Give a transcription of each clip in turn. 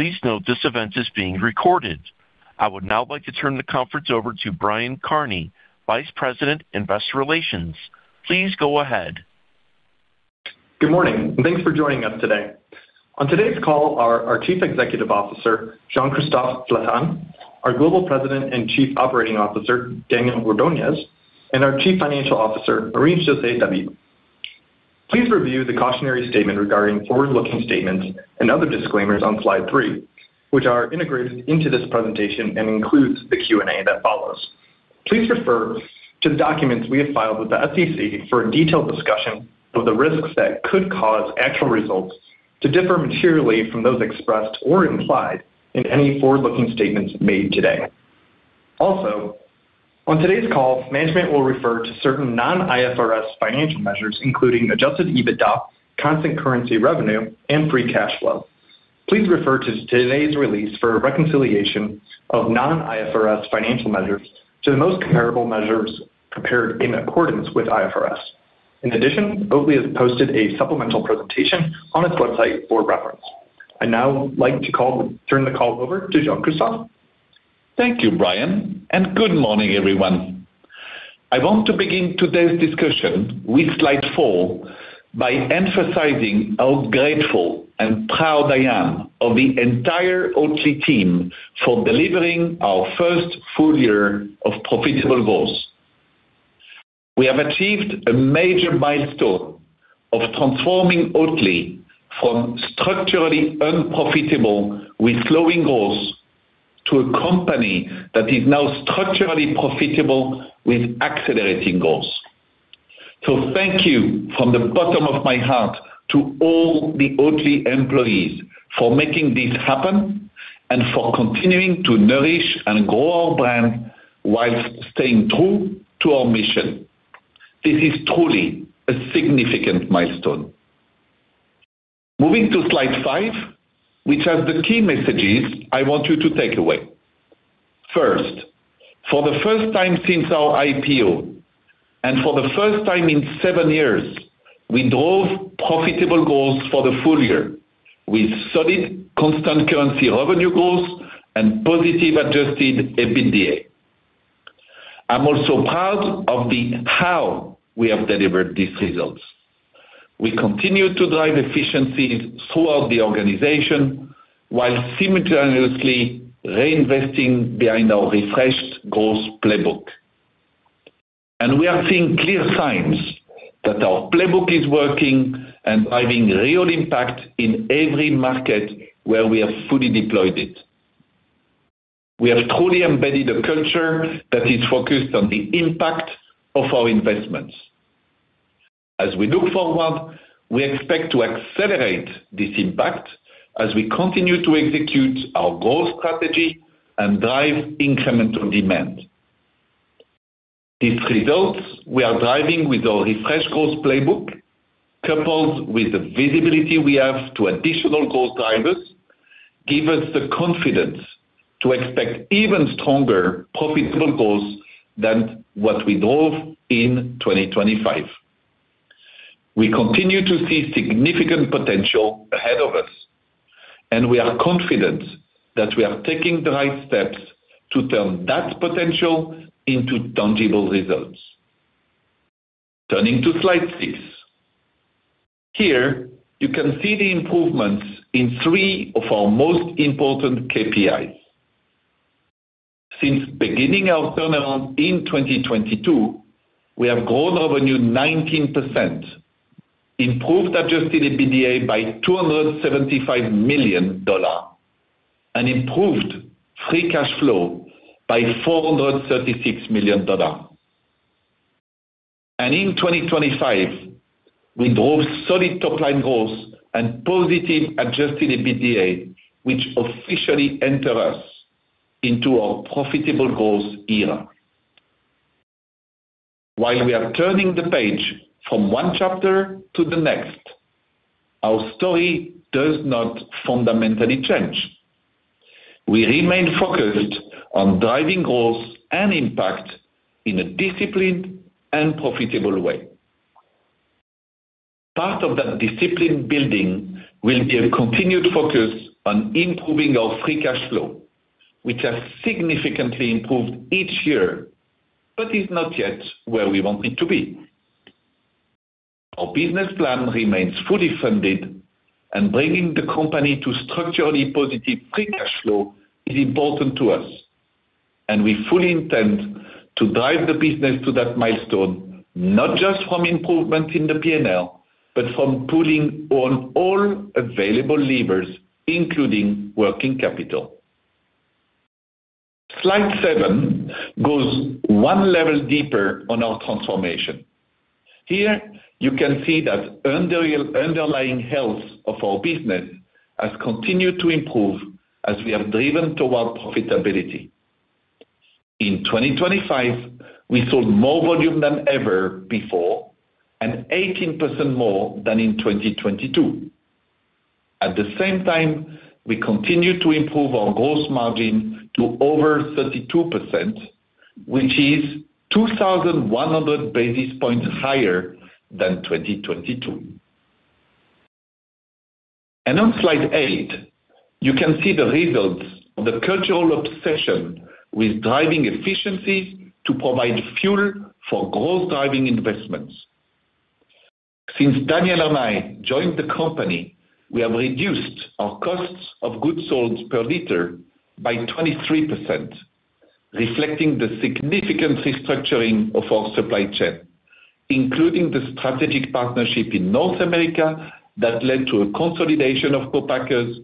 Please note this event is being recorded. I would now like to turn the conference over to Brian Kearney, Vice President of Investor Relations. Please go ahead. Good morning, and thanks for joining us today. On today's call are our Chief Executive Officer, Jean-Christophe Flatin, our Global President and Chief Operating Officer, Daniel Ordoñez, and our Chief Financial Officer, Marie-José David. Please review the cautionary statement regarding forward-looking statements and other disclaimers on slide three, which are integrated into this presentation and includes the Q&A that follows. Please refer to the documents we have filed with the SEC for a detailed discussion of the risks that could cause actual results to differ materially from those expressed or implied in any forward-looking statements made today. Also, on today's call, management will refer to certain non-IFRS financial measures, including adjusted EBITDA, constant currency revenue, and free cash flow. Please refer to today's release for a reconciliation of non-IFRS financial measures to the most comparable measures compared in accordance with IFRS. In addition, Oatly has posted a supplemental presentation on its website for reference. I'd now like to turn the call over to Jean-Christophe. Thank you, Brian, and good morning, everyone. I want to begin today's discussion with slide four by emphasizing how grateful and proud I am of the entire Oatly team for delivering our first full year of profitable growth. We have achieved a major milestone of transforming Oatly from structurally unprofitable with slowing growth to a company that is now structurally profitable with accelerating growth. So thank you from the bottom of my heart to all the Oatly employees for making this happen and for continuing to nourish and grow our brand while staying true to our mission. This is truly a significant milestone. Moving to slide five, which has the key messages I want you to take away. First, for the first time since our IPO and for the first time in seven years, we drove profitable growth for the full year with solid, constant currency revenue growth and positive adjusted EBITDA. I'm also proud of how we have delivered these results. We continue to drive efficiencies throughout the organization while simultaneously reinvesting behind our refreshed growth playbook. We are seeing clear signs that our playbook is working and driving real impact in every market where we have fully deployed it. We have truly embedded a culture that is focused on the impact of our investments. As we look forward, we expect to accelerate this impact as we continue to execute our growth strategy and drive incremental demand. These results we are driving with our refreshed growth playbook, coupled with the visibility we have to additional growth drivers, give us the confidence to expect even stronger profitable growth than what we drove in 2025. We continue to see significant potential ahead of us, and we are confident that we are taking the right steps to turn that potential into tangible results. Turning to slide six. Here, you can see the improvements in three of our most important KPIs. Since beginning our turnaround in 2022, we have grown revenue 19%, improved adjusted EBITDA by $275 million, and improved free cash flow by $436 million. In 2025, we drove solid top-line growth and positive adjusted EBITDA, which officially enter us into our profitable growth era. While we are turning the page from one chapter to the next, our story does not fundamentally change. We remain focused on driving growth and impact in a disciplined and profitable way. Part of that discipline building will be a continued focus on improving our free cash flow, which has significantly improved each year but is not yet where we want it to be. Our business plan remains fully funded, and bringing the company to structurally positive free cash flow is important to us, and we fully intend to drive the business to that milestone not just from improvement in the P&L but from pulling on all available levers, including working capital. Slide seven goes one level deeper on our transformation. Here, you can see that underlying health of our business has continued to improve as we have driven toward profitability. In 2025, we sold more volume than ever before and 18% more than in 2022. At the same time, we continue to improve our gross margin to over 32%, which is 2,100 basis points higher than 2022. On slide eight, you can see the results of the cultural obsession with driving efficiencies to provide fuel for growth-driving investments. Since Daniel and I joined the company, we have reduced our cost of goods sold per liter by 23%, reflecting the significant restructuring of our supply chain, including the strategic partnership in North America that led to a consolidation of co-packers,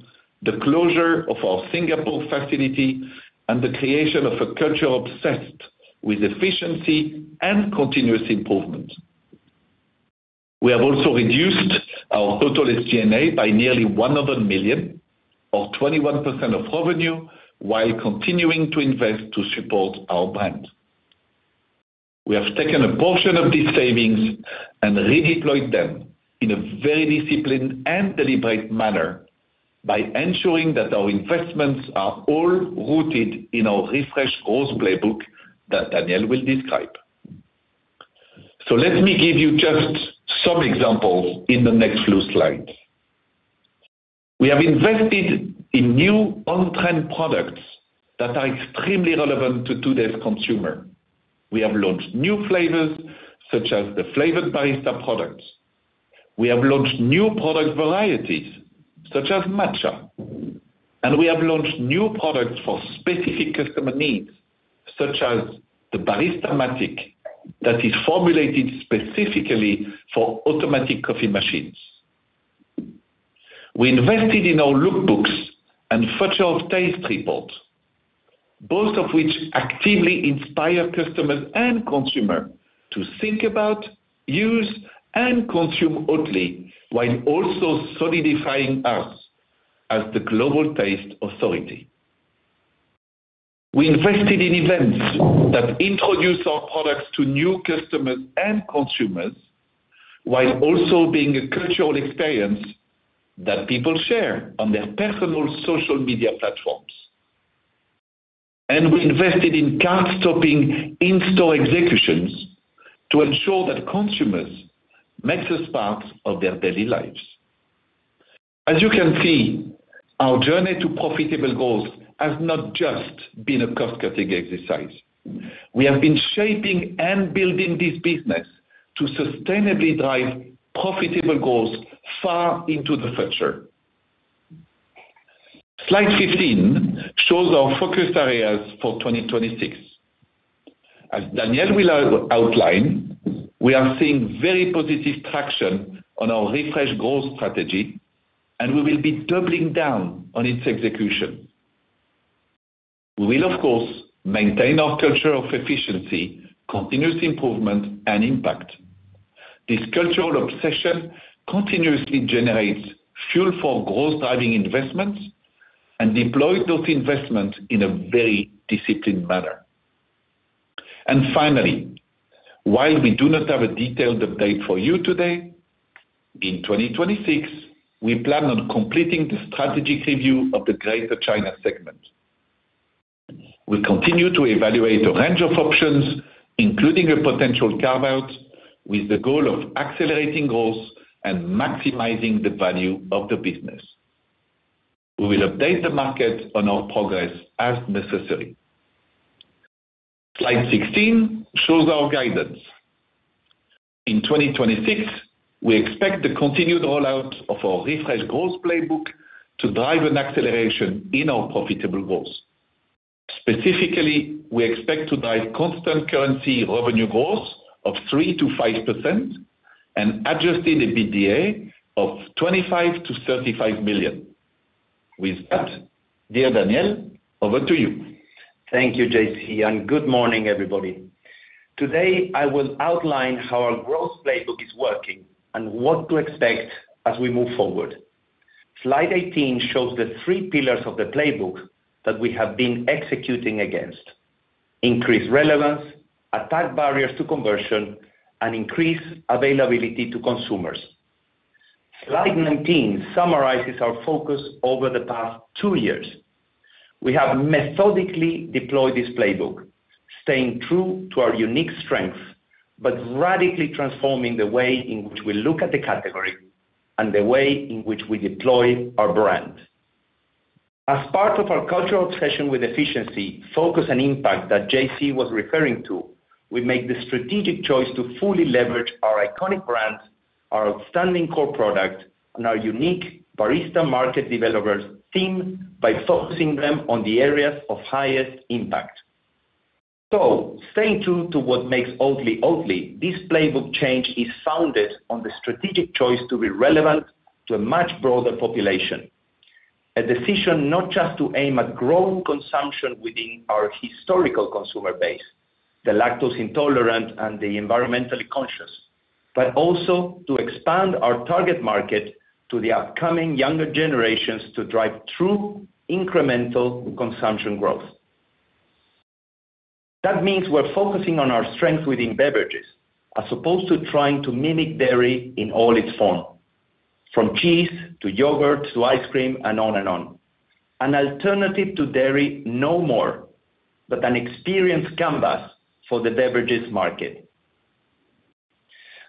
the closure of our Singapore facility, and the creation of a culture obsessed with efficiency and continuous improvement. We have also reduced our total SG&A by nearly $100 million, or 21% of revenue, while continuing to invest to support our brand. We have taken a portion of these savings and redeployed them in a very disciplined and deliberate manner by ensuring that our investments are all rooted in our refreshed growth playbook that Daniel will describe. Let me give you just some examples in the next few slides. We have invested in new on-trend products that are extremely relevant to today's consumer. We have launched new flavors such as the flavored barista products. We have launched new product varieties such as matcha. We have launched new products for specific customer needs such as the Baristamatic that is formulated specifically for automatic coffee machines. We invested in our lookbooks and Future of Taste reports, both of which actively inspire customers and consumers to think about, use, and consume Oatly while also solidifying us as the global taste authority. We invested in events that introduce our products to new customers and consumers while also being a cultural experience that people share on their personal social media platforms. We invested in cart-stopping in-store executions to ensure that consumers make this part of their daily lives. As you can see, our journey to profitable growth has not just been a cost-cutting exercise. We have been shaping and building this business to sustainably drive profitable growth far into the future. Slide 15 shows our focus areas for 2026. As Daniel will outline, we are seeing very positive traction on our refreshed growth strategy, and we will be doubling down on its execution. We will, of course, maintain our culture of efficiency, continuous improvement, and impact. This cultural obsession continuously generates fuel for growth-driving investments and deploys those investments in a very disciplined manner. Finally, while we do not have a detailed update for you today, in 2026, we plan on completing the strategic review of the Greater China segment. We continue to evaluate a range of options, including a potential carve-out, with the goal of accelerating growth and maximizing the value of the business. We will update the market on our progress as necessary. Slide 16 shows our guidance. In 2026, we expect the continued rollout of our refreshed growth playbook to drive an acceleration in our profitable growth. Specifically, we expect to drive constant currency revenue growth of 3%-5% and adjusted EBITDA of $25 million-$35 million. With that, dear Daniel, over to you. Thank you, JC, and good morning, everybody. Today, I will outline how our growth playbook is working and what to expect as we move forward. Slide 18 shows the three pillars of the playbook that we have been executing against: increased relevance, attack barriers to conversion, and increased availability to consumers. Slide 19 summarizes our focus over the past two years. We have methodically deployed this playbook, staying true to our unique strengths but radically transforming the way in which we look at the category and the way in which we deploy our brand. As part of our cultural obsession with efficiency, focus, and impact that JC was referring to, we make the strategic choice to fully leverage our iconic brand, our outstanding core product, and our unique Barista Market Developers team by focusing them on the areas of highest impact. So staying true to what makes Oatly Oatly, this playbook change is founded on the strategic choice to be relevant to a much broader population. A decision not just to aim at growing consumption within our historical consumer base, the lactose intolerant and the environmentally conscious, but also to expand our target market to the upcoming younger generations to drive true incremental consumption growth. That means we're focusing on our strengths within beverages as opposed to trying to mimic dairy in all its form, from cheese to yogurt to ice cream and on and on, an alternative to dairy no more but an experienced canvas for the beverages market.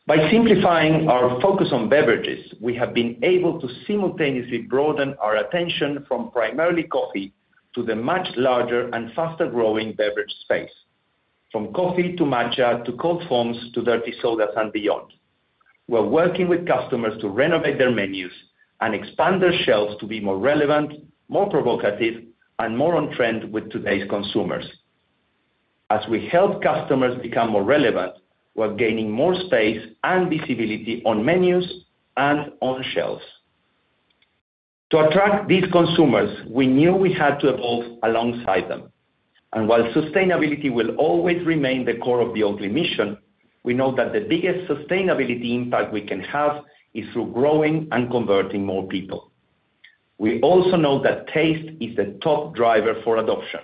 By simplifying our focus on beverages, we have been able to simultaneously broaden our attention from primarily coffee to the much larger and faster-growing beverage space, from coffee to matcha to cold foams to dirty sodas and beyond. We're working with customers to renovate their menus and expand their shelves to be more relevant, more provocative, and more on trend with today's consumers. As we help customers become more relevant, we're gaining more space and visibility on menus and on shelves. To attract these consumers, we knew we had to evolve alongside them. While sustainability will always remain the core of the Oatly mission, we know that the biggest sustainability impact we can have is through growing and converting more people. We also know that taste is the top driver for adoption.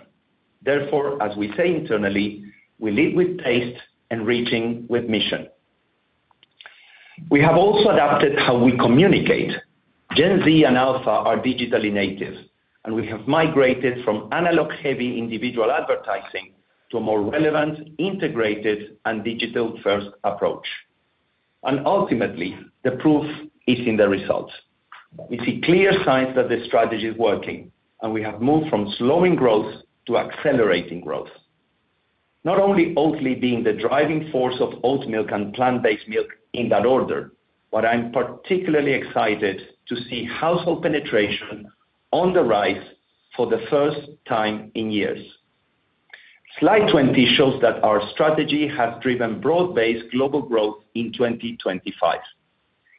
Therefore, as we say internally, we lead with taste and reaching with mission. We have also adapted how we communicate. Gen Z and Alpha are digitally native, and we have migrated from analog-heavy individual advertising to a more relevant, integrated, and digital-first approach. Ultimately, the proof is in the results. We see clear signs that the strategy is working, and we have moved from slowing growth to accelerating growth. Not only Oatly being the driving force of oat milk and plant-based milk in that order, but I'm particularly excited to see household penetration on the rise for the first time in years. Slide 20 shows that our strategy has driven broad-based global growth in 2025.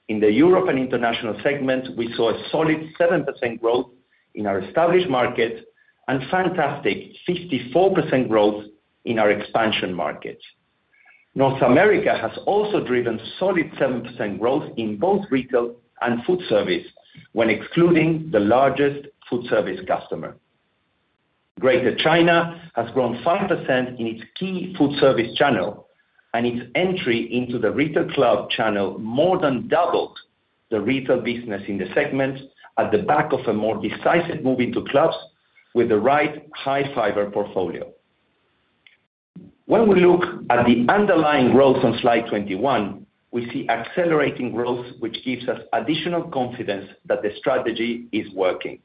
In the Europe and International segment, we saw a solid 7% growth in our established markets and fantastic 54% growth in our expansion markets. North America has also driven solid 7% growth in both retail and food service when excluding the largest food service customer. Greater China has grown 5% in its key food service channel, and its entry into the retail club channel more than doubled the retail business in the segment at the back of a more decisive move into clubs with the right high-fiber portfolio. When we look at the underlying growth on slide 21, we see accelerating growth, which gives us additional confidence that the strategy is working.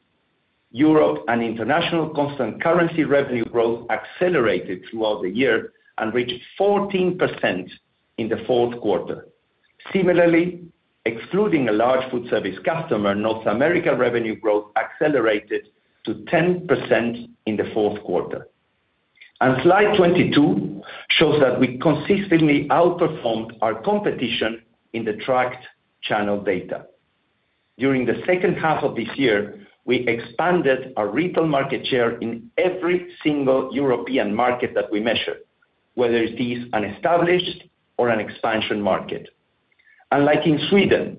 Europe and International constant currency revenue growth accelerated throughout the year and reached 14% in the fourth quarter. Similarly, excluding a large food service customer, North America revenue growth accelerated to 10% in the fourth quarter. Slide 22 shows that we consistently outperformed our competition in the tracked channel data. During the second half of this year, we expanded our retail market share in every single European market that we measured, whether it be an established or an expansion market. Unlike in Sweden,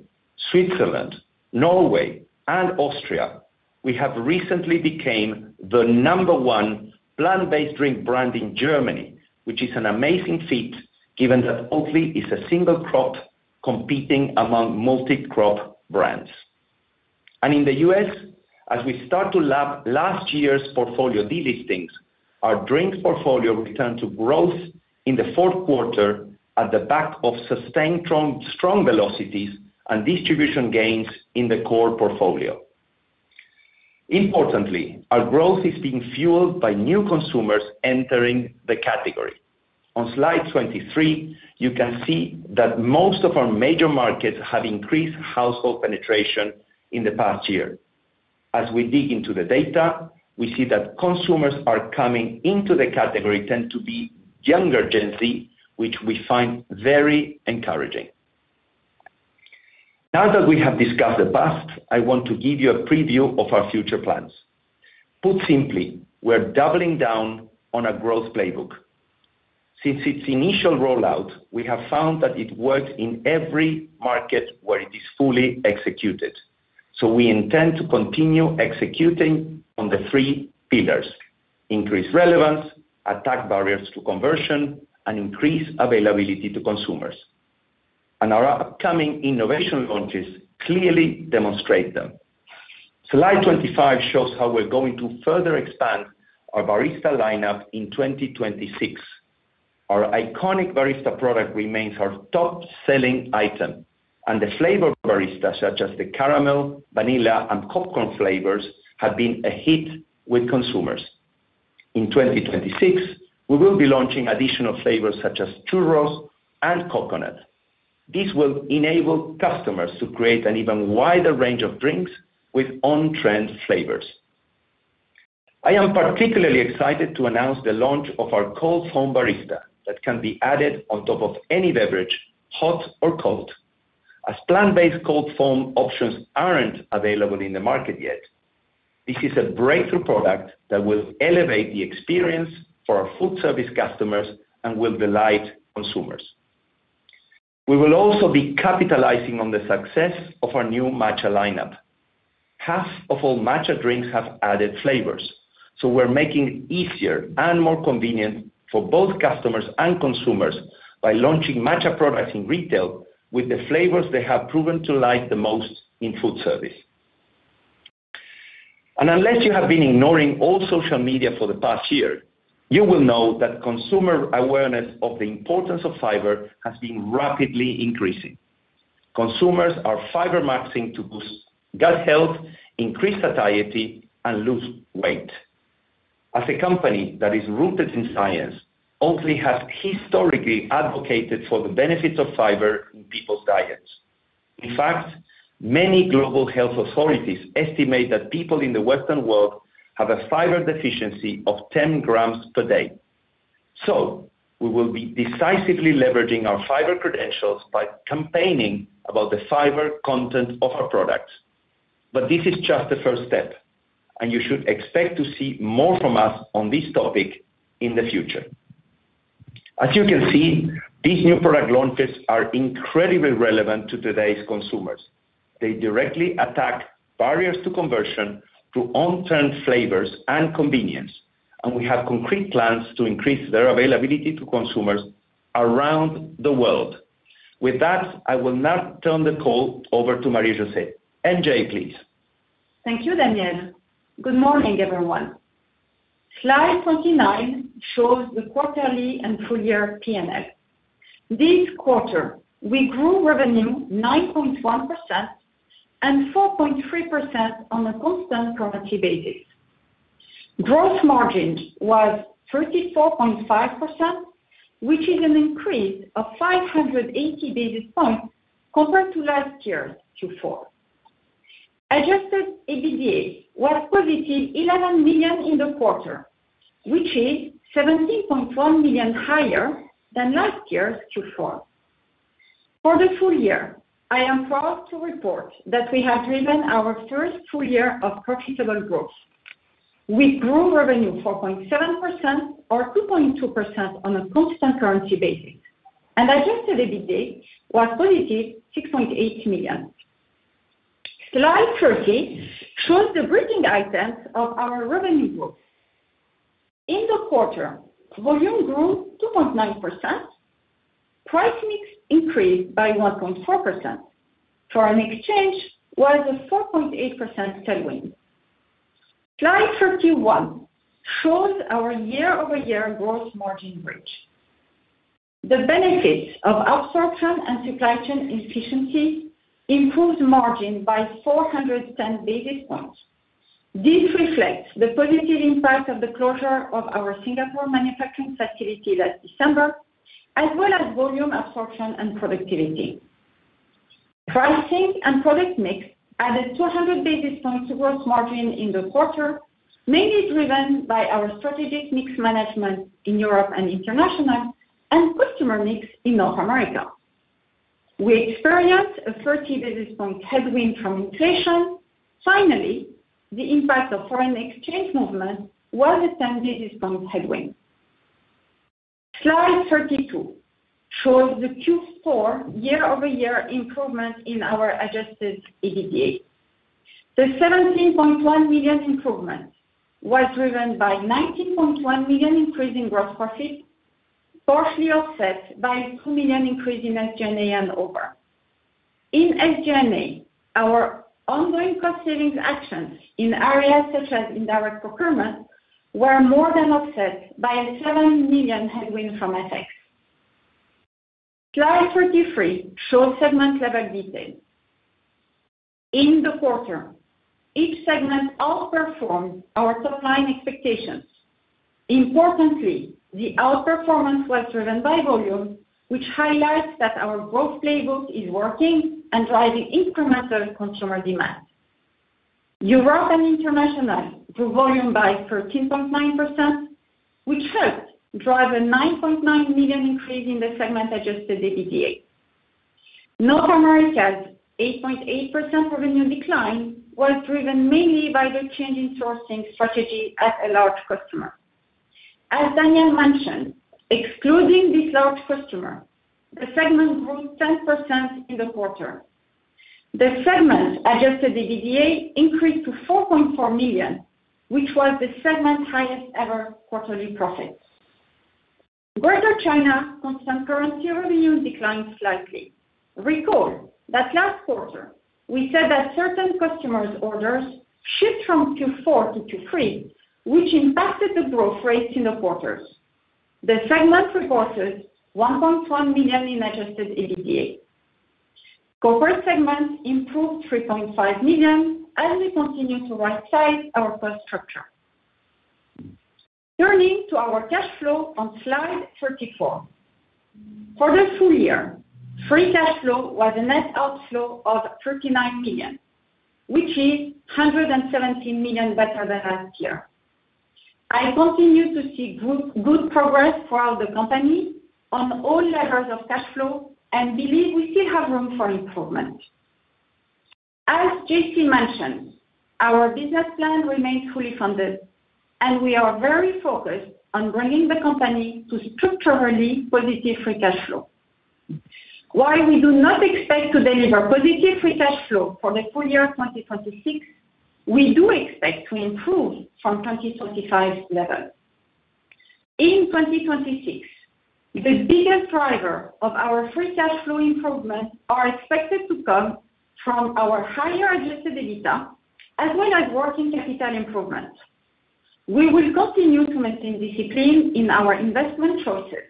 Switzerland, Norway, and Austria, we have recently become the number one plant-based drink brand in Germany, which is an amazing feat given that Oatly is a single crop competing among multi-crop brands. In the U.S., as we start to lap last year's portfolio delistings, our drink portfolio returned to growth in the fourth quarter at the back of sustained strong velocities and distribution gains in the core portfolio. Importantly, our growth is being fueled by new consumers entering the category. On slide 23, you can see that most of our major markets have increased household penetration in the past year. As we dig into the data, we see that consumers are coming into the category tend to be younger Gen Z, which we find very encouraging. Now that we have discussed the past, I want to give you a preview of our future plans. Put simply, we're doubling down on a growth playbook. Since its initial rollout, we have found that it works in every market where it is fully executed. We intend to continue executing on the three pillars: increased relevance, attack barriers to conversion, and increased availability to consumers. Our upcoming innovation launches clearly demonstrate them. Slide 25 shows how we're going to further expand our Barista lineup in 2026. Our iconic Barista product remains our top-selling item, and the flavored Baristas such as the caramel, vanilla, and popcorn flavors have been a hit with consumers. In 2026, we will be launching additional flavors such as churros and coconut. This will enable customers to create an even wider range of drinks with on-trend flavors. I am particularly excited to announce the launch of our Barista Cold Foam that can be added on top of any beverage, hot or cold, as plant-based Barista Cold Foam options aren't available in the market yet. This is a breakthrough product that will elevate the experience for our food service customers and will delight consumers. We will also be capitalizing on the success of our new matcha lineup. Half of all matcha drinks have added flavors. So we're making it easier and more convenient for both customers and consumers by launching matcha products in retail with the flavors they have proven to like the most in food service. And unless you have been ignoring all social media for the past year, you will know that consumer awareness of the importance of fiber has been rapidly increasing. Consumers are fiber-maxing to boost gut health, increase satiety, and lose weight. As a company that is rooted in science, Oatly has historically advocated for the benefits of fiber in people's diets. In fact, many global health authorities estimate that people in the Western world have a fiber deficiency of 10 grams per day. So we will be decisively leveraging our fiber credentials by campaigning about the fiber content of our products. But this is just the first step, and you should expect to see more from us on this topic in the future. As you can see, these new product launches are incredibly relevant to today's consumers. They directly attack barriers to conversion through on-trend flavors and convenience. And we have concrete plans to increase their availability to consumers around the world. With that, I will now turn the call over to Marie-José David, MJ please. Thank you, Daniel. Good morning, everyone. Slide 29 shows the quarterly and full-year P&L. This quarter, we grew revenue 9.1% and 4.3% on a constant currency basis. Gross margin was 34.5%, which is an increase of 580 basis points compared to last year's Q4. Adjusted EBITDA was +$11 million in the quarter, which is $17.1 million higher than last year's Q4. For the full year, I am proud to report that we have driven our first full year of profitable growth. We grew revenue 4.7% or 2.2% on a constant currency basis. Adjusted EBITDA was +$6.8 million. Slide 30 shows the breakdown of our revenue growth. In the quarter, volume grew 2.9%. Price mix increased by 1.4%. Foreign exchange was a 4.8% tailwind. Slide 31 shows our year-over-year gross margin bridge. The benefits of absorption and supply chain efficiency improved margin by 410 basis points. This reflects the positive impact of the closure of our Singapore manufacturing facility last December, as well as volume absorption and productivity. Pricing and product mix added 200 basis points to gross margin in the quarter, mainly driven by our strategic mix management in Europe and International and customer mix in North America. We experienced a 30 basis point headwind from inflation. Finally, the impact of foreign exchange movement was a 10 basis point headwind. Slide 32 shows the Q4 year-over-year improvement in our adjusted EBITDA. The $17.1 million improvement was driven by $19.1 million increasing gross profit, partially offset by $2 million increase in SG&A and overhead. In SG&A, our ongoing cost savings actions in areas such as indirect procurement were more than offset by a $7 million headwind from FX. Slide 33 shows segment-level details. In the quarter, each segment outperformed our top-line expectations. Importantly, the outperformance was driven by volume, which highlights that our growth playbook is working and driving incremental consumer demand. Europe and International grew volume by 13.9%, which helped drive a $9.9 million increase in the segment-adjusted EBITDA. North America's 8.8% revenue decline was driven mainly by the change in sourcing strategy at a large customer. As Daniel mentioned, excluding this large customer, the segment grew 10% in the quarter. The segment's adjusted EBITDA increased to $4.4 million, which was the segment's highest-ever quarterly profit. Greater China constant currency revenue declined slightly. Recall that last quarter, we said that certain customers' orders shift from Q4 to Q3, which impacted the growth rates in the quarters. The segment reported $1.1 million in adjusted EBITDA. Corporate segment improved $3.5 million as we continue to right-size our cost structure. Turning to our cash flow on slide 34. For the full year, free cash flow was a net outflow of $39 million, which is $117 million better than last year. I continue to see good progress throughout the company on all levels of cash flow and believe we still have room for improvement. As JC mentioned, our business plan remains fully funded, and we are very focused on bringing the company to structurally positive free cash flow. While we do not expect to deliver positive free cash flow for the full year 2026, we do expect to improve from 2025 level. In 2026, the biggest driver of our free cash flow improvements is expected to come from our higher adjusted EBITDA as well as working capital improvements. We will continue to maintain discipline in our investment choices.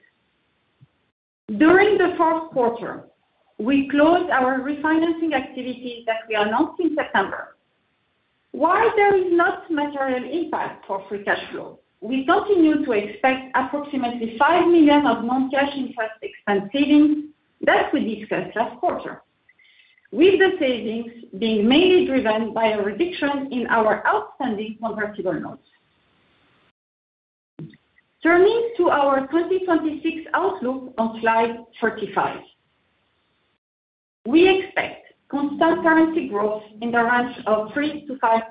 During the fourth quarter, we closed our refinancing activities that we announced in September. While there is not material impact for free cash flow, we continue to expect approximately $5 million of non-cash interest expense savings that we discussed last quarter, with the savings being mainly driven by a reduction in our outstanding convertible notes. Turning to our 2026 outlook on slide 45. We expect constant currency growth in the range of 3%-5%.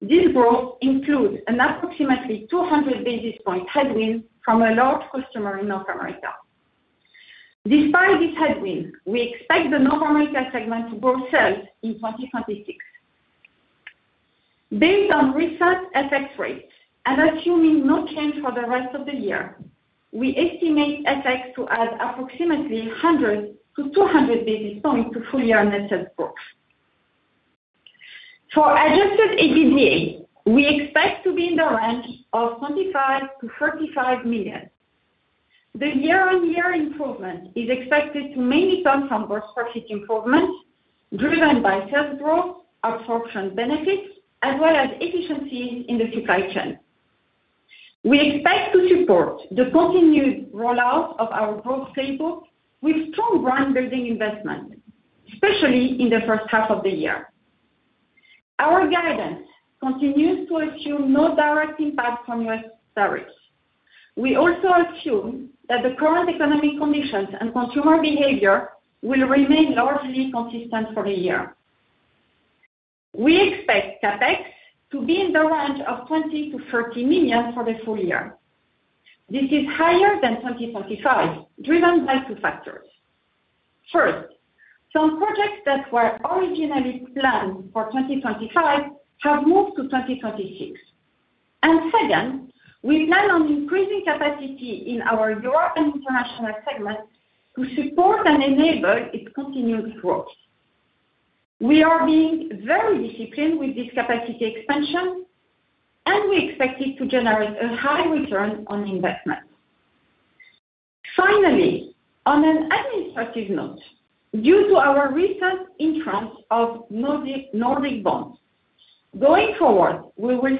This growth includes an approximately 200 basis point headwind from a large customer in North America. Despite this headwind, we expect the North America segment to grow sales in 2026. Based on recent FX rates and assuming no change for the rest of the year, we estimate FX to add approximately 100 basis points to 200 basis points to full-year net sales growth. For Adjusted EBITDA, we expect to be in the range of $25 million-$35 million. The year-over-year improvement is expected to mainly come from gross profit improvement driven by sales growth, absorption benefits, as well as efficiencies in the supply chain. We expect to support the continued rollout of our growth playbook with strong brand-building investments, especially in the first half of the year. Our guidance continues to assume no direct impact from U.S. tariffs. We also assume that the current economic conditions and consumer behavior will remain largely consistent for the year. We expect CapEx to be in the range of $20 million-$30 million for the full year. This is higher than 2025 driven by two factors. First, some projects that were originally planned for 2025 have moved to 2026. And second, we plan on increasing capacity in our Europe and International segment to support and enable its continued growth. We are being very disciplined with this capacity expansion, and we expect it to generate a high return on investment. Finally, on an administrative note, due to our recent issuance of Nordic bonds, going forward, we will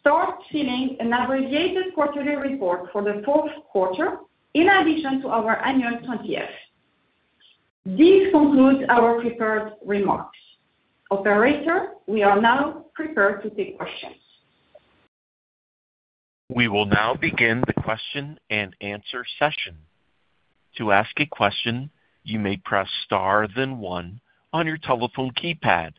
start filing an abbreviated quarterly report for the fourth quarter in addition to our annual 20-F. This concludes our prepared remarks. Operator, we are now prepared to take questions. We will now begin the question and answer session. To ask a question, you may press star, then one on your telephone keypad.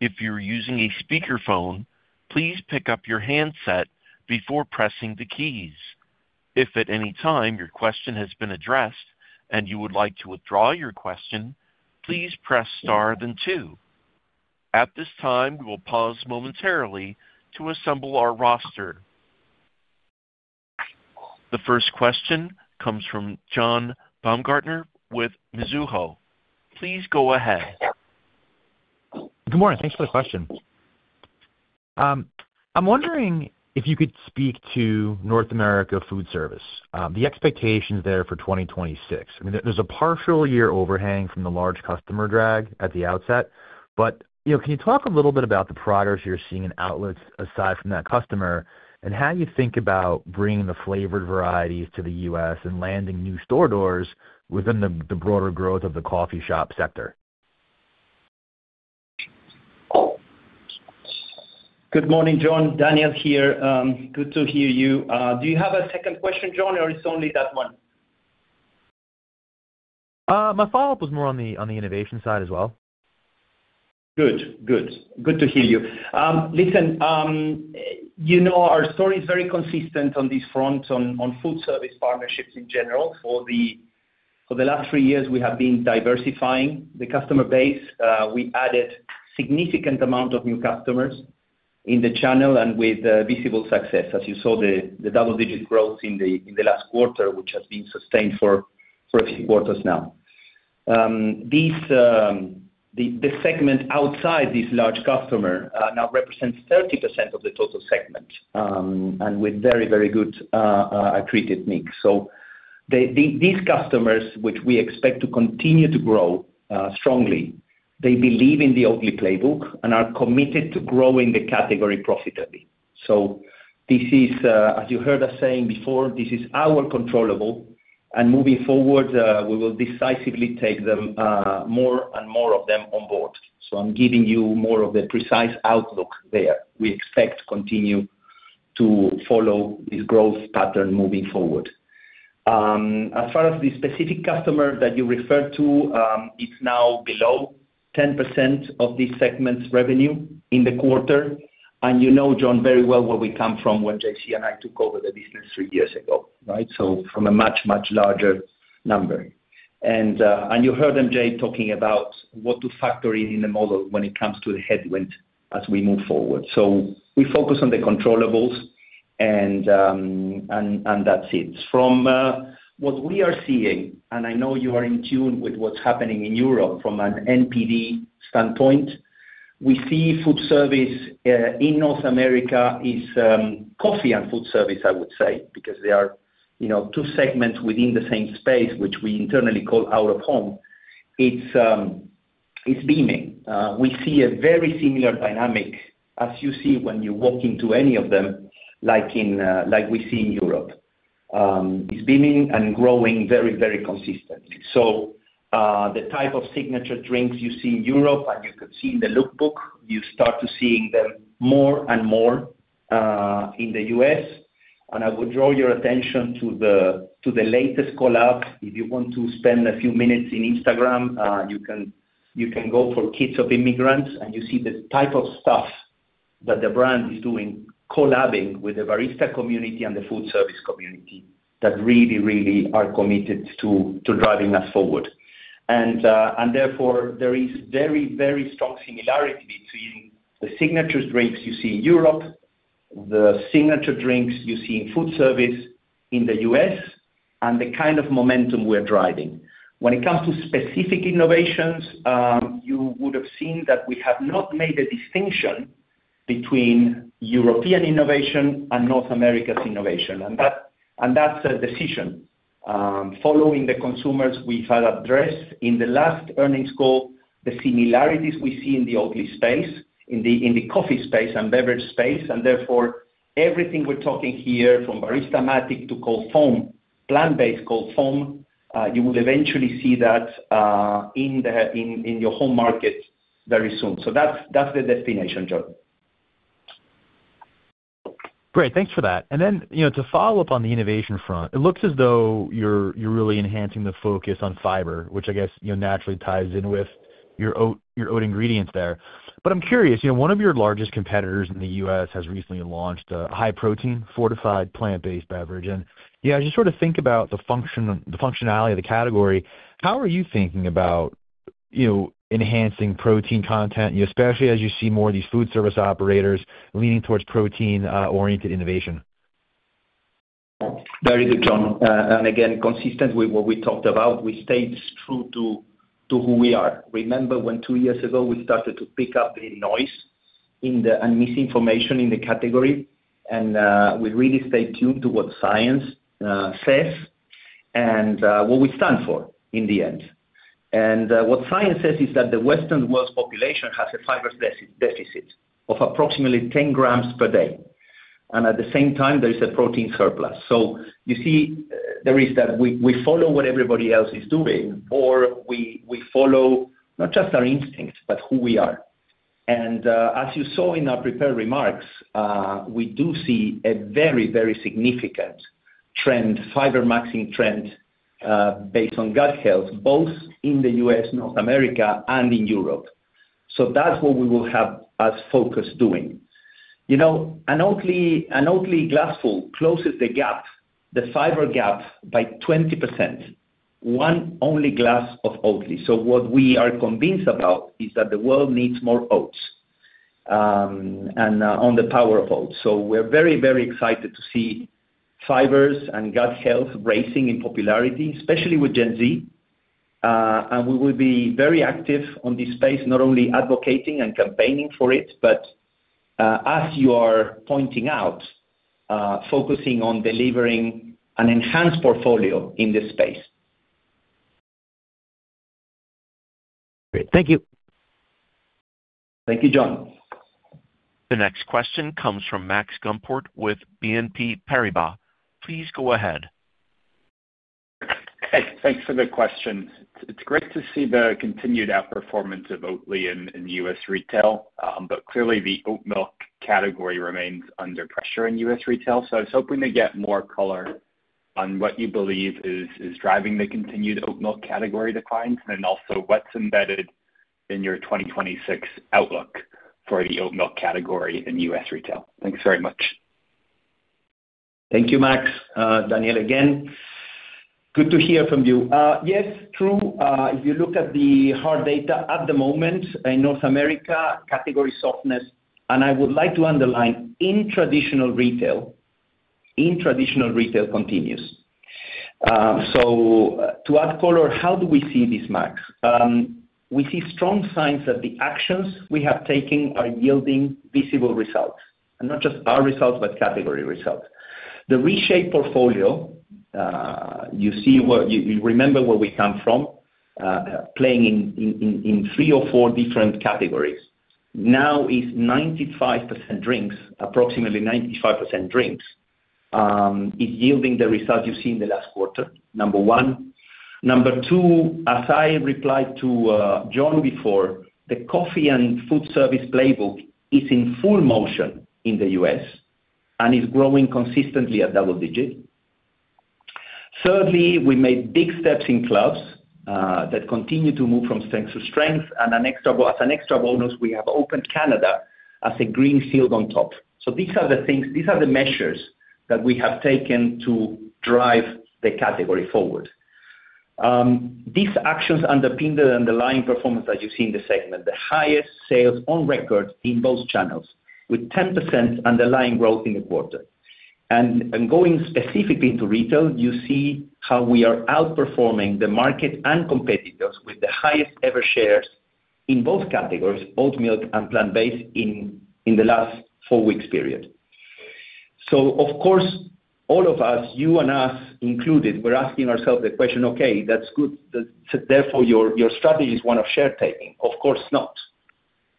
If you're using a speakerphone, please pick up your handset before pressing the keys. If at any time your question has been addressed and you would like to withdraw your question, please press star, then two. At this time, we will pause momentarily to assemble our roster. The first question comes from John Baumgartner with Mizuho. Please go ahead. Good morning. Thanks for the question. I'm wondering if you could speak to North America food service, the expectations there for 2026. I mean, there's a partial year overhang from the large customer drag at the outset. But can you talk a little bit about the progress you're seeing in outlets aside from that customer and how you think about bringing the flavored varieties to the U.S. and landing new store doors within the broader growth of the coffee shop sector? Good morning, John. Daniel here. Good to hear you. Do you have a second question, John, or is it only that one? My follow-up was more on the innovation side as well. Good. Good. Good to hear you. Listen, our story is very consistent on this front, on food service partnerships in general. For the last three years, we have been diversifying the customer base. We added a significant amount of new customers in the channel and with visible success, as you saw, the double-digit growth in the last quarter, which has been sustained for a few quarters now. The segment outside this large customer now represents 30% of the total segment and with very, very good accretive mix. So these customers, which we expect to continue to grow strongly, they believe in the Oatly playbook and are committed to growing the category profitably. So as you heard us saying before, this is our controllable. And moving forward, we will decisively take more and more of them on board. So I'm giving you more of the precise outlook there. We expect to continue to follow this growth pattern moving forward. As far as the specific customer that you referred to, it's now below 10% of this segment's revenue in the quarter. And you know, John, very well where we come from when JC and I took over the business three years ago, right, so from a much, much larger number. And you heard MJ talking about what to factor in in the model when it comes to the headwind as we move forward. So we focus on the controllables, and that's it. From what we are seeing, and I know you are in tune with what's happening in Europe from an NPD standpoint, we see food service in North America is coffee and food service, I would say, because they are two segments within the same space, which we internally call out-of-home. It's booming. We see a very similar dynamic as you see when you walk into any of them like we see in Europe. It's beaming and growing very, very consistently. So the type of signature drinks you see in Europe, and you could see in the lookbook, you start to see them more and more in the U.S. And I would draw your attention to the latest collab. If you want to spend a few minutes in Instagram, you can go for Kids of Immigrants, and you see the type of stuff that the brand is doing collabing with the barista community and the food service community that really, really are committed to driving us forward. And therefore, there is very, very strong similarity between the signature drinks you see in Europe, the signature drinks you see in food service in the U.S., and the kind of momentum we're driving. When it comes to specific innovations, you would have seen that we have not made a distinction between European innovation and North America's innovation. That's a decision. Following the consumers we've addressed in the last earnings call, the similarities we see in the Oatly space, in the coffee space, and beverage space, and therefore, everything we're talking here from Baristamatic to plant-based Cold Foam, you will eventually see that in your home market very soon. So that's the destination, John. Great. Thanks for that. And then to follow up on the innovation front, it looks as though you're really enhancing the focus on fiber, which I guess naturally ties in with your oat ingredients there. But I'm curious, one of your largest competitors in the U.S. has recently launched a high-protein, fortified, plant-based beverage. And as you sort of think about the functionality of the category, how are you thinking about enhancing protein content, especially as you see more of these food service operators leaning towards protein-oriented innovation? Very good, John. Again, consistent with what we talked about, we stayed true to who we are. Remember when two years ago we started to pick up the noise and misinformation in the category? We really stayed tuned to what science says and what we stand for in the end. What science says is that the Western world's population has a fiber deficit of approximately 10 grams per day. At the same time, there is a protein surplus. So you see there is that we follow what everybody else is doing, or we follow not just our instincts, but who we are. As you saw in our prepared remarks, we do see a very, very significant trend, fiber-maxing trend based on gut health, both in the U.S., North America, and in Europe. That's what we will have as focus doing. An Oatly glassful closes the gap, the fiber gap, by 20%, one only glass of Oatly. So what we are convinced about is that the world needs more oats and on the power of oats. So we're very, very excited to see fibers and gut health racing in popularity, especially with Gen Z. And we will be very active on this space, not only advocating and campaigning for it, but as you are pointing out, focusing on delivering an enhanced portfolio in this space. Great. Thank you. Thank you, John. The next question comes from Max Gumport with BNP Paribas. Please go ahead. Okay. Thanks for the question. It's great to see the continued outperformance of Oatly in U.S. retail, but clearly, the oat milk category remains under pressure in U.S. retail. I was hoping to get more color on what you believe is driving the continued oat milk category declines and also what's embedded in your 2026 outlook for the oat milk category in U.S. retail. Thanks very much. Thank you, Max, Daniel, again. Good to hear from you. Yes, true. If you look at the hard data at the moment in North America, category softness. And I would like to underline, in traditional retail, in traditional retail continues. So to add color, how do we see this, Max? We see strong signs that the actions we have taken are yielding visible results, and not just our results, but category results. The reshaped portfolio, you remember where we come from, playing in three or four different categories, now is 95% drinks, approximately 95% drinks, is yielding the results you see in the last quarter, number one. Number two, as I replied to John before, the coffee and food service playbook is in full motion in the U.S. and is growing consistently at double-digit. Thirdly, we made big steps in clubs that continue to move from strength to strength. As an extra bonus, we have opened Canada as a green field on top. So these are the things these are the measures that we have taken to drive the category forward. These actions underpinned the underlying performance that you see in the segment, the highest sales on record in both channels with 10% underlying growth in the quarter. And going specifically into retail, you see how we are outperforming the market and competitors with the highest-ever shares in both categories, oat milk and plant-based, in the last four-week period. So of course, all of us, you and us included, we're asking ourselves the question, "Okay, that's good. Therefore, your strategy is one of share-taking." Of course not.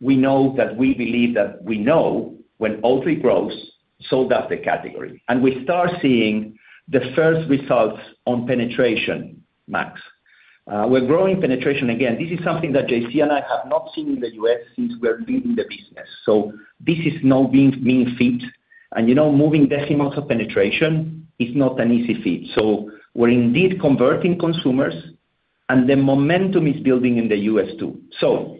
We know that we believe that we know when Oatly grows, sold off the category. And we start seeing the first results on penetration, Max. We're growing penetration again. This is something that JC and I have not seen in the U.S. since we're leading the business. So this is no mean feat. Moving decimals of penetration is not an easy feat. So we're indeed converting consumers, and the momentum is building in the U.S. too. So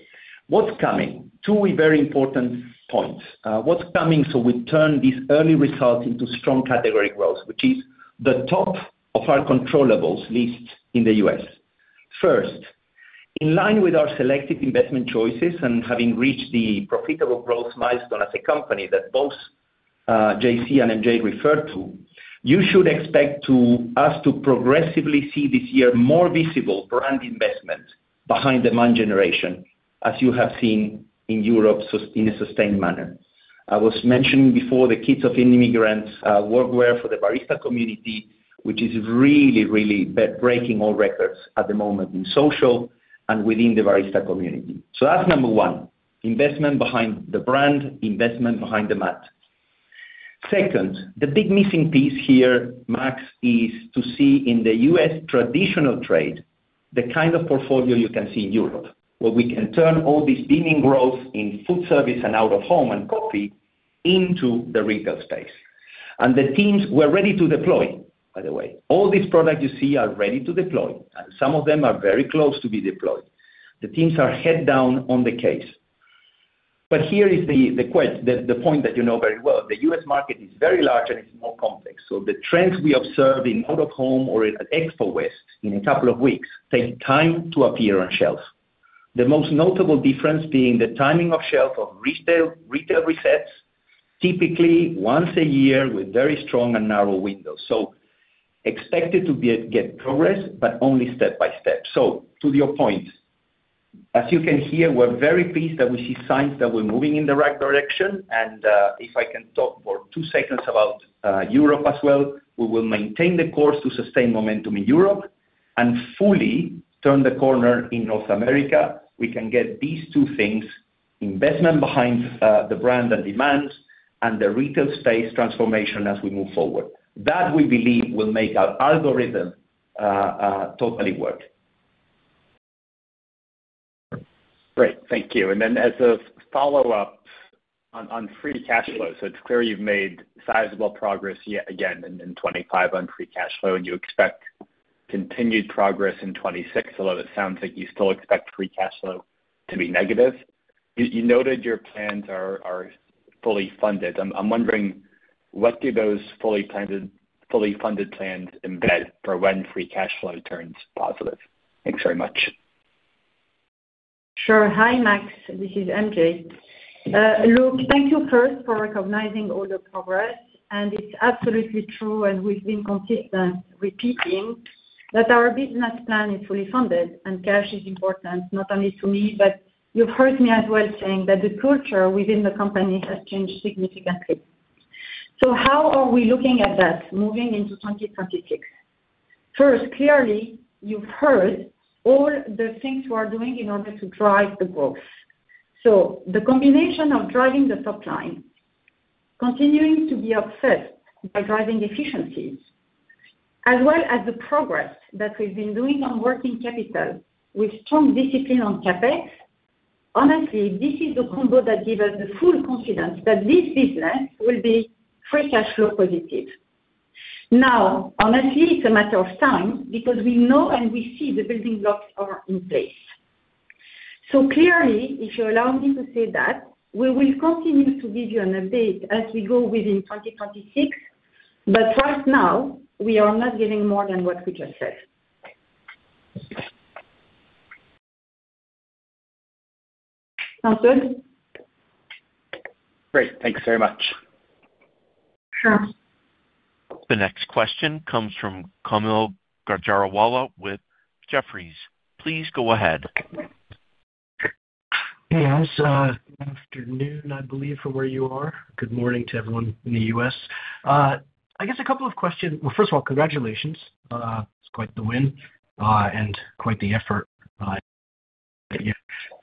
what's coming? Two very important points. What's coming so we turn these early results into strong category growth, which is the top of our controllables list in the U.S.? First, in line with our selective investment choices and having reached the profitable growth milestone as a company that both JC and MJ referred to, you should expect us to progressively see this year more visible brand investment behind demand generation as you have seen in Europe in a sustained manner. I was mentioning before the Kids of Immigrants workwear for the barista community, which is really, really breaking all records at the moment in social and within the barista community. So that's number one, investment behind the brand, investment behind demand. Second, the big missing piece here, Max, is to see in the U.S. traditional trade the kind of portfolio you can see in Europe, where we can turn all this beaming growth in food service and out-of-home and coffee into the retail space. And the teams, we're ready to deploy, by the way. All these products you see are ready to deploy, and some of them are very close to be deployed. The teams are head down on the case. But here is the point that you know very well. The U.S. market is very large, and it's more complex. So the trends we observe in out-of-home or at Expo West in a couple of weeks take time to appear on shelves, the most notable difference being the timing of shelf of retail resets, typically once a year with very strong and narrow windows. So expect it to get progress, but only step by step. So to your point, as you can hear, we're very pleased that we see signs that we're moving in the right direction. And if I can talk for two seconds about Europe as well, we will maintain the course to sustain momentum in Europe and fully turn the corner in North America. We can get these two things, investment behind the brand and demands and the retail space transformation as we move forward. That, we believe, will make our algorithm totally work. Great. Thank you. And then as a follow-up on free cash flow, so it's clear you've made sizable progress again in 2025 on free cash flow, and you expect continued progress in 2026, although it sounds like you still expect free cash flow to be negative. You noted your plans are fully funded. I'm wondering, what do those fully funded plans embed for when free cash flow turns positive? Thanks very much. Sure. Hi, Max. This is MJ. Look, thank you first for recognizing all the progress. And it's absolutely true, and we've been consistent repeating that our business plan is fully funded and cash is important, not only to me, but you've heard me as well saying that the culture within the company has changed significantly. So how are we looking at that moving into 2026? First, clearly, you've heard all the things we are doing in order to drive the growth. So the combination of driving the top line, continuing to be obsessed by driving efficiencies, as well as the progress that we've been doing on working capital with strong discipline on CapEx, honestly, this is the combo that gives us the full confidence that this business will be free cash flow positive. Now, honestly, it's a matter of time because we know and we see the building blocks are in place. So clearly, if you allow me to say that, we will continue to give you an update as we go within 2026. But right now, we are not giving more than what we just said. Sounds good? Great. Thanks very much. Sure. The next question comes from Kaumil Gajrawala with Jefferies. Please go ahead. Hey, hi. Good afternoon, I believe, from where you are. Good morning to everyone in the U.S. I guess a couple of questions. Well, first of all, congratulations. It's quite the win and quite the effort that you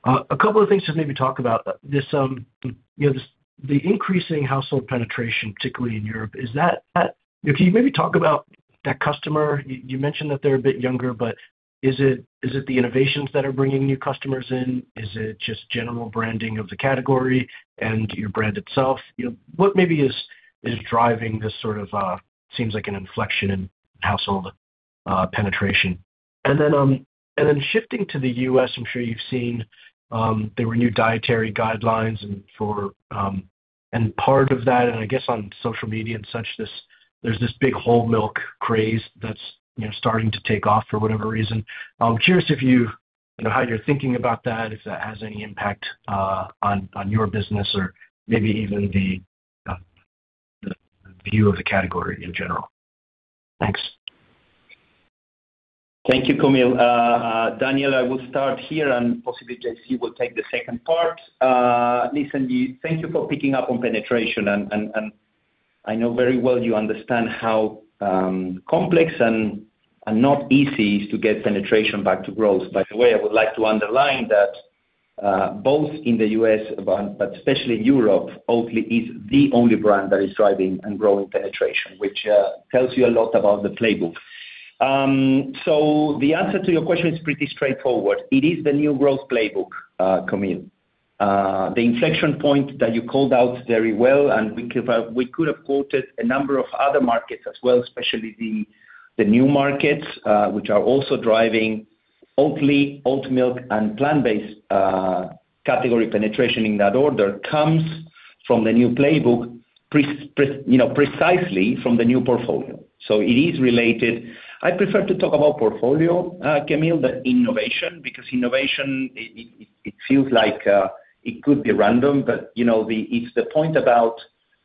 a couple of things to maybe talk about. The increasing household penetration, particularly in Europe, is that. That? Can you maybe talk about that customer? You mentioned that they're a bit younger, but is it the innovations that are bringing new customers in? Is it just general branding of the category and your brand itself? What maybe is driving this sort of seems like an inflection in household penetration? And then shifting to the U.S., I'm sure you've seen there were new dietary guidelines. And part of that, and I guess on social media and such, there's this big whole milk craze that's starting to take off for whatever reason. I'm curious how you're thinking about that, if that has any impact on your business or maybe even the view of the category in general. Thanks. Thank you, Kaumil. Daniel, I will start here, and possibly JC will take the second part. Listen, thank you for picking up on penetration. And I know very well you understand how complex and not easy it is to get penetration back to growth. By the way, I would like to underline that both in the U.S., but especially in Europe, Oatly is the only brand that is driving and growing penetration, which tells you a lot about the playbook. So the answer to your question is pretty straightforward. It is the new growth playbook, Kaumil, the inflection point that you called out very well. And we could have quoted a number of other markets as well, especially the new markets, which are also driving Oatly, oat milk, and plant-based category penetration in that order comes from the new playbook precisely from the new portfolio. So it is related. I prefer to talk about portfolio, Kaumil, than innovation because innovation, it feels like it could be random. But it's the point about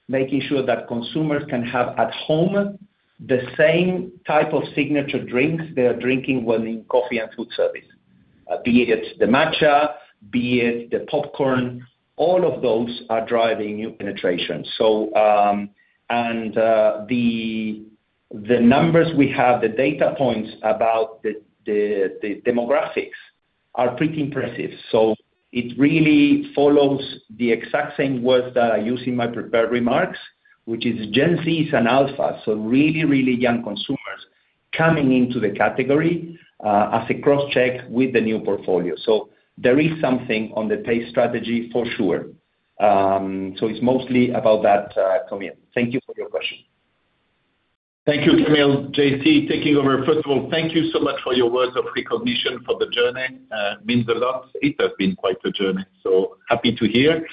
making sure that consumers can have at home the same type of signature drinks they are drinking when in coffee and food service, be it the matcha, be it the popcorn. All of those are driving new penetration. And the numbers we have, the data points about the demographics are pretty impressive. So it really follows the exact same words that I use in my prepared remarks, which is Gen Z is an alpha, so really, really young consumers coming into the category as a cross-check with the new portfolio. So there is something on the pace strategy for sure. So it's mostly about that, Kaumil. Thank you for your question. Thank you, Kaumil. JC, taking over. First of all, thank you so much for your words of recognition for the journey. It means a lot. It has been quite a journey, so happy to hear.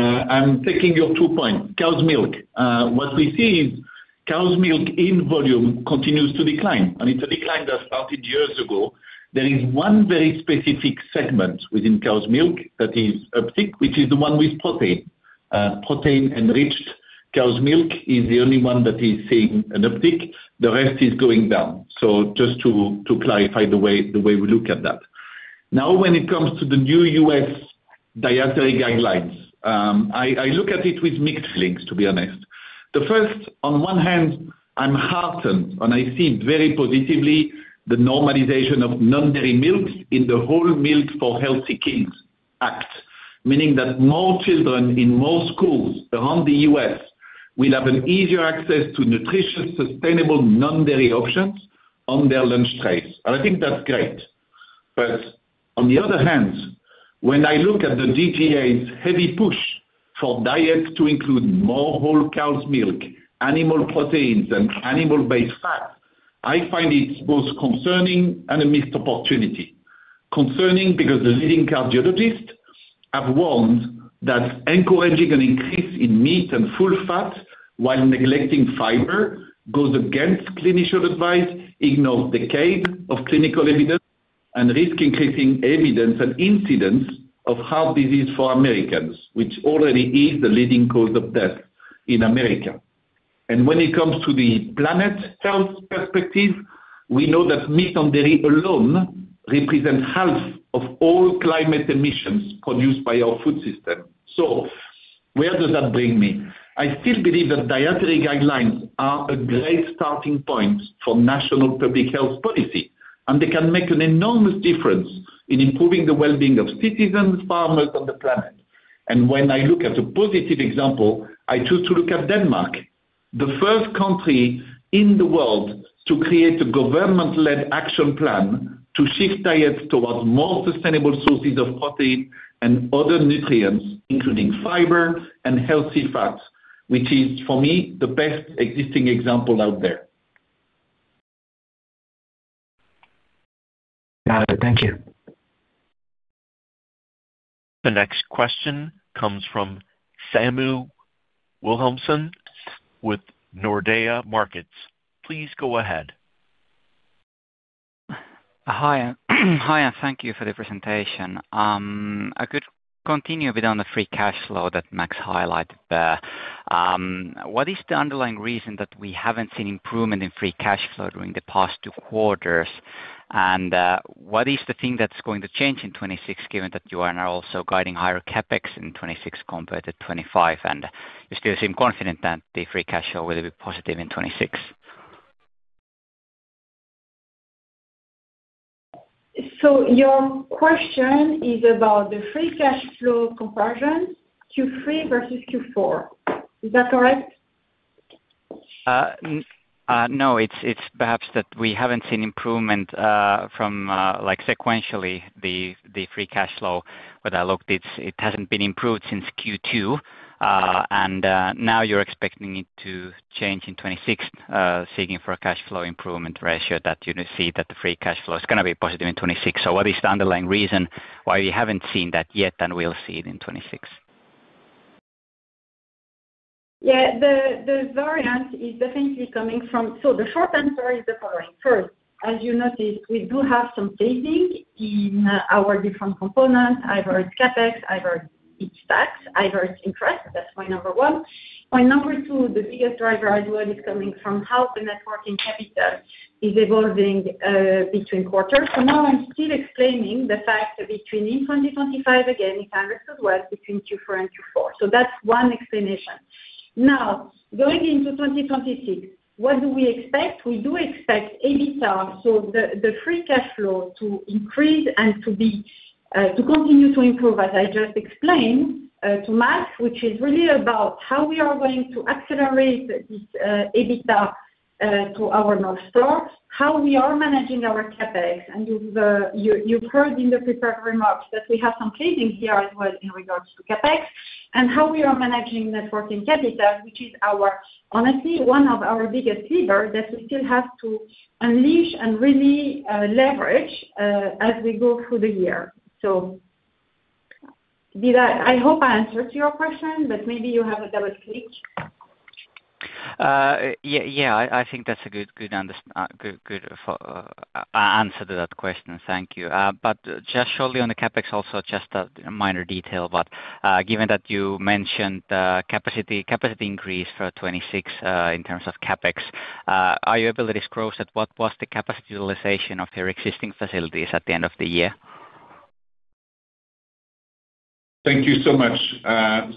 I'm taking your two points. Cow's milk, what we see is cow's milk in volume continues to decline. And it's a decline that started years ago. There is one very specific segment within cow's milk that is uptick, which is the one with protein. Protein-enriched cow's milk is the only one that is seeing an uptick. The rest is going down. So just to clarify the way we look at that. Now, when it comes to the new U.S. dietary guidelines, I look at it with mixed feelings, to be honest. The first, on one hand, I'm heartened, and I see very positively the normalization of non-dairy milks in the Whole Milk for Healthy Kids Act, meaning that more children in more schools around the U.S. will have an easier access to nutritious, sustainable non-dairy options on their lunch trays. I think that's great. On the other hand, when I look at the DGA's heavy push for diets to include more whole cow's milk, animal proteins, and animal-based fats, I find it both concerning and a missed opportunity, concerning because the leading cardiologists have warned that encouraging an increase in meat and full fat while neglecting fiber goes against clinician advice, ignores decades of clinical evidence, and risks increasing evidence and incidence of heart disease for Americans, which already is the leading cause of death in America. And when it comes to the planet health perspective, we know that meat and dairy alone represent half of all climate emissions produced by our food system. So where does that bring me? I still believe that dietary guidelines are a great starting point for national public health policy, and they can make an enormous difference in improving the well-being of citizens, farmers, and the planet. And when I look at a positive example, I choose to look at Denmark, the first country in the world to create a government-led action plan to shift diets towards more sustainable sources of protein and other nutrients, including fiber and healthy fats, which is, for me, the best existing example out there. Got it. Thank you. The next question comes from Samu Wilhelmsson with Nordea Markets. Please go ahead. Hi. Hi. Thank you for the presentation. I could continue a bit on the free cash flow that Max highlighted there. What is the underlying reason that we haven't seen improvement in free cash flow during the past two quarters? And what is the thing that's going to change in 2026 given that you are now also guiding higher CapEx in 2026 compared to 2025? And you still seem confident that the free cash flow will be positive in 2026. Your question is about the free cash flow comparison Q3 versus Q4. Is that correct? No, it's perhaps that we haven't seen improvement sequentially, the free cash flow. When I looked, it hasn't been improved since Q2. And now you're expecting it to change in 2026, seeking for a cash flow improvement ratio that you see that the free cash flow is going to be positive in 2026. So what is the underlying reason why we haven't seen that yet and will see it in 2026? Yeah, the variance is definitely coming from, so the short answer is the following. First, as you noticed, we do have some phasing in our different components, either it's CapEx, either it's tax, either it's interest. That's my number one. My number two, the biggest driver as well, is coming from how the net working capital is evolving between quarters. So now I'm still explaining the fact that between in 2025, again, it's unreasonable between Q4 and Q4. So that's one explanation. Now, going into 2026, what do we expect? We do expect EBITDA, so the free cash flow, to increase and to continue to improve, as I just explained, to Max, which is really about how we are going to accelerate this EBITDA to our North America, how we are managing our CapEx. You've heard in the prepared remarks that we have some phasing here as well in regards to CapEx and how we are managing working capital, which is, honestly, one of our biggest levers that we still have to unleash and really leverage as we go through the year. I hope I answered your question, but maybe you have a double click. Yeah, I think that's a good answer to that question. Thank you. But just shortly on the CapEx also, just a minor detail. But given that you mentioned capacity increase for 2026 in terms of CapEx, are your abilities gross at what was the capacity utilization of your existing facilities at the end of the year? Thank you so much.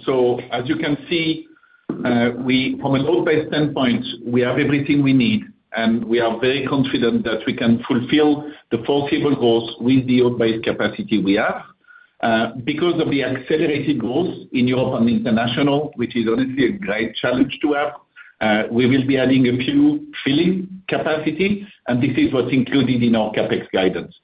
So as you can see, from an oat-based standpoint, we have everything we need, and we are very confident that we can fulfill the foreseeable goals with the oat-based capacity we have. Because of the accelerated growth in Europe and International, which is honestly a great challenge to have, we will be adding a new filling capacity. This is what's included in our CapEx guidance.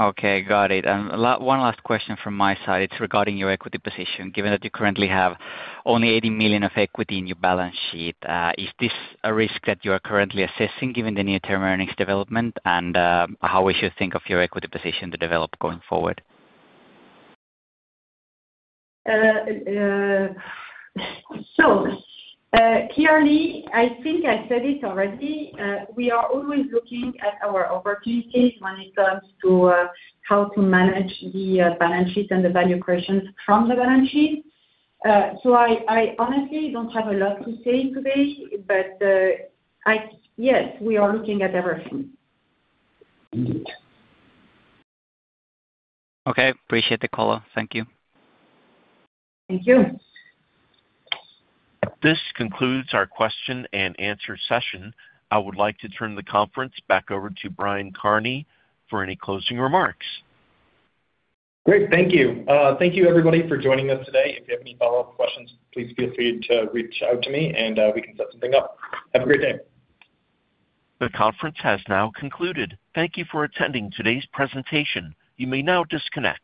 Okay. Got it. One last question from my side. It's regarding your equity position. Given that you currently have only $80 million of equity in your balance sheet, is this a risk that you are currently assessing given the near-term earnings development and how we should think of your equity position to develop going forward? So clearly, I think I said it already, we are always looking at our opportunities when it comes to how to manage the balance sheets and the value creations from the balance sheet. So I honestly don't have a lot to say today, but yes, we are looking at everything. Okay. Appreciate the callout. Thank you. Thank you. This concludes our question and answer session. I would like to turn the conference back over to Brian Kearney for any closing remarks. Great. Thank you. Thank you, everybody, for joining us today. If you have any follow-up questions, please feel free to reach out to me, and we can set something up. Have a great day. The conference has now concluded. Thank you for attending today's presentation. You may now disconnect.